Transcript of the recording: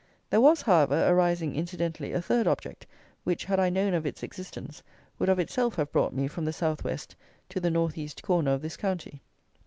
There was, however, arising incidentally a third object, which, had I known of its existence, would of itself have brought me from the south west to the north east corner of this county.